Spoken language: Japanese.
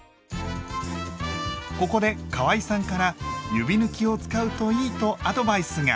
ここでかわいさんから指ぬきを使うといいとアドバイスが。